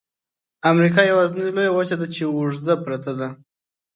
امریکا یوازني لویه وچه ده چې اوږده پرته ده.